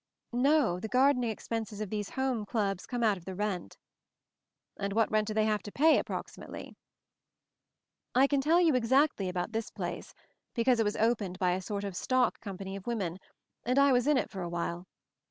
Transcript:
"No — the gardening expenses of these home clubs come out of the rent." MOVING THE MOUNTAIN 163 "And what rent do they have to pay — approximately ?" "I can tell you exactly about this place, because it was opened by a sort of stock company of women, and I was in it for a while.